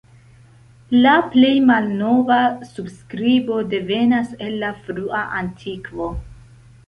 La plej malnova surskribo devenas el la frua antikvo.